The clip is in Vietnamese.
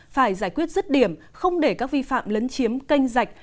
phải giải quyết rứt điểm không để các vi phạm lấn chiếm canh rạch